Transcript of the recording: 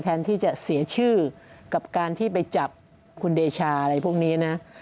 แทนที่จะเสียชื่อกับการที่ไปจับคุณเดชาอะไรพวกนี้นะ